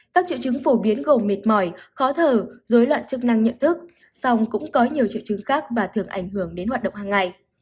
các triệu chứng phổ biến gồm mệt mỏi khó thở dối loạn chức năng nhận thức song cũng có nhiều triệu chứng khác và thường ảnh hưởng đến hoạt động hàng ngày